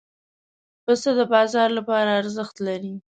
پسه د بازار لپاره ارزښت لري.